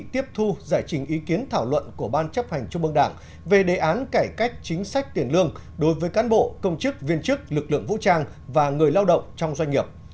tiếp thu giải trình ý kiến thảo luận của ban chấp hành trung mương đảng về đề án cải cách chính sách tiền lương đối với cán bộ công chức viên chức lực lượng vũ trang và người lao động trong doanh nghiệp